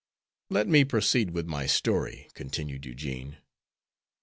"Let me proceed with my story," continued Eugene.